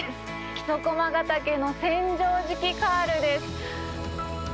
木曽駒ヶ岳の千畳敷カールです。